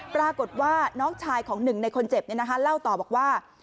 ปรากฏว่าน้องชายของหนึ่งในคนเจ็บเล่าต่อบอกว่า